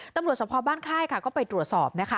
ตำรวจสมภาพบ้านค่ายก็ไปตรวจสอบ